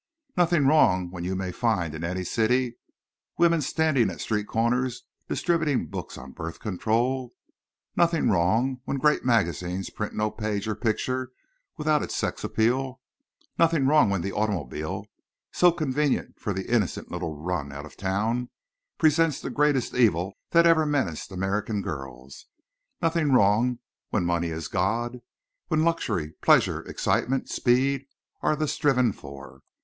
Nothing wrong when you may find in any city women standing at street corners distributing booklets on birth control? Nothing wrong when great magazines print no page or picture without its sex appeal? Nothing wrong when the automobile, so convenient for the innocent little run out of town, presents the greatest evil that ever menaced American girls! Nothing wrong when money is god—when luxury, pleasure, excitement, speed are the striven for?